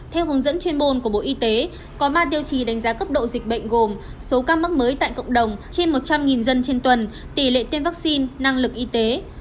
theo hướng dẫn chuyên môn của bộ y tế có ba tiêu chí đánh giá cấp độ dịch bệnh gồm số ca mắc mới tại cộng đồng trên một trăm linh dân trên tuần tỷ lệ tiêm vaccine năng lực y tế